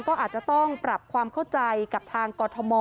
ก็อาจจะต้องปรับความเข้าใจกับทางกรทม